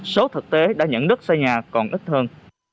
số thực tế đã nhận đất xây nhà còn ít hơn